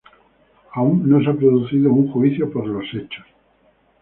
Aún no se ha producido un juicio por los hechos.